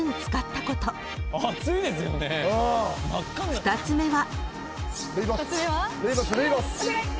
［２つ目は］